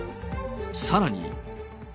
さらに。